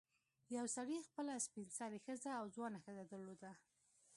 یو سړي خپله سپین سرې ښځه او ځوانه ښځه درلوده.